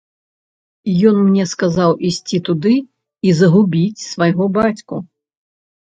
Ён мне сказаў ісці туды і загубіць свайго бацьку.